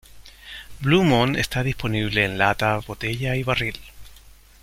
Blue Moon está disponible en lata, botella y barril.